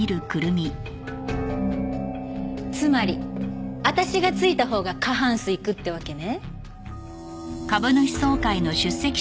つまり私がついたほうが過半数いくってわけね。